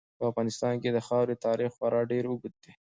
په افغانستان کې د خاورې تاریخ خورا ډېر اوږد دی.